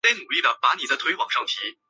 后担任国子监祭酒。